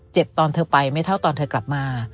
ตอนเธอไปไม่เท่าตอนเธอกลับมา